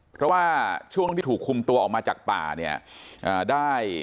เพราะว่าช่วงที่ถูกคุมตัวออกมาจากป่าเนี่ยได้